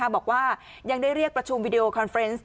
บอกว่ายังได้เรียกประชุมวิดีโอคอนเฟรนซ์